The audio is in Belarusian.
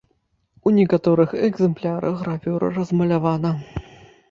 У некаторых экзэмплярах гравюра размалявана.